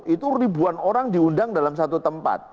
itu ribuan orang diundang dalam satu tempat